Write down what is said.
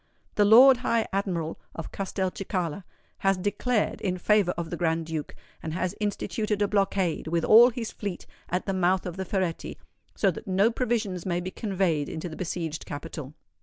The Lord High Admiral of Castelcicala has declared in favour of the Grand Duke, and has instituted a blockade, with all his fleet, at the mouth of the Ferretti, so that no provisions may be conveyed into the besieged capital.